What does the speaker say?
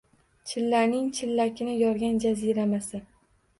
Chillaning chillakini yorgan jaziramasi.